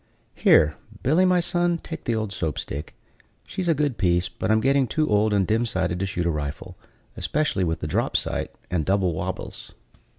Here, Billy, my son, take the old Soap stick; she's a good piece, but I'm getting too old and dim sighted to shoot a rifle, especially with the drop sight and double wabbles."